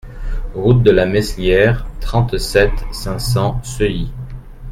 Route de la Mesliere, trente-sept, cinq cents Seuilly